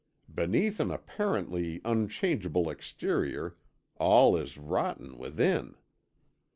Beneath an apparently unchangeable exterior all is rotten within.